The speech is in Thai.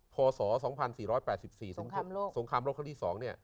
พศ๒๔๘๔สงครามโลกครั้งที่๒